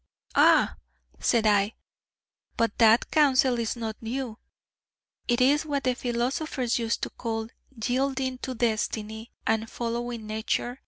'Ah,' said I, 'but that counsel is not new. It is what the philosophers used to call "yielding to Destiny," and "following Nature."